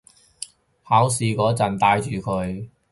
考試嗰陣戴住佢